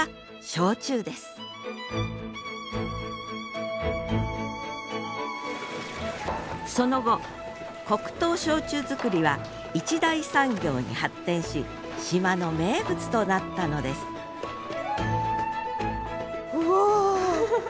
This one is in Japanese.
しかしその後黒糖焼酎造りは一大産業に発展し島の名物となったのですうわ